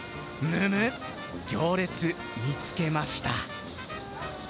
むむっ、行列、見つけました。